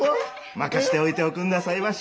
任しておいておくんなさいまし。